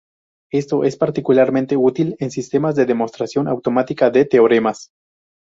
Esto es particularmente útil en sistemas de demostración automática de teoremas.